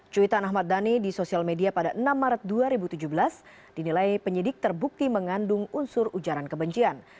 cuitan ahmad dhani di sosial media pada enam maret dua ribu tujuh belas dinilai penyidik terbukti mengandung unsur ujaran kebencian